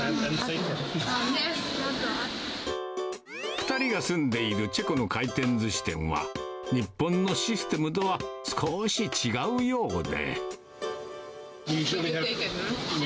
２人が住んでいるチェコの回転ずし店は、日本のシステムとは少し違うようで。